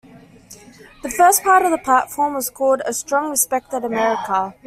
The first part of the platform was called "A Strong, Respected America".